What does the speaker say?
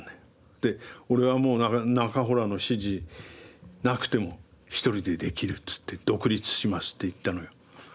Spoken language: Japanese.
で「俺はもう中洞の指示なくても一人でできる」っつって「独立します」って言ったのよ。